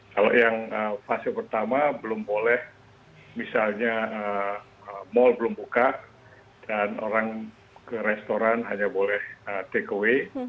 kalau yang fase pertama belum boleh misalnya mal belum buka dan orang ke restoran hanya boleh take away